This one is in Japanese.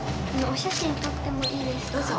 お写真撮ってもいいですか？